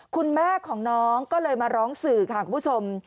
คุณแม่ของน้องก็เลยมาร้องสื่อค่ะคุณผู้ชม